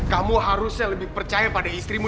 kamu harusnya lebih percaya pada istrimu